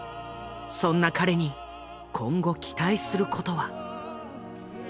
そんな彼に今後期待することは？